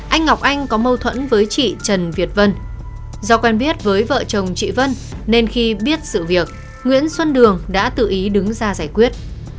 anh ngọc anh có mâu thuẫn với chị trần việt vân do quen biết với vợ chồng chị vân nên khi biết sự việc nguyễn xuân đường đã tự ý đứng ra giải quyết